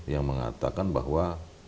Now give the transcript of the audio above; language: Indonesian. yang mengatakan bahwa